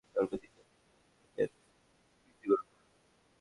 তারপর দ্বিতীয় ও তৃতীয় গ্রন্থিটিতে বিদ্ধ করল।